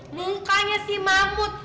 mukanya si mamut